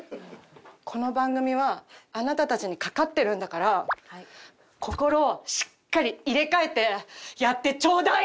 この番組はあなたたちにかかってるんだから心をしっかり入れ替えてやってちょうだい！